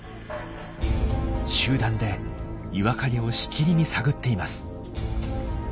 集団で岩陰をしきりに探っています。